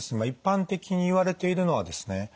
一般的にいわれているのはですね